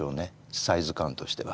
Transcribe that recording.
サイズ感としては。